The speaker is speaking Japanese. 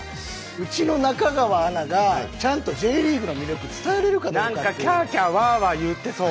うちの中川アナがちゃんとＪリーグの魅力伝えれるかどうかっていう。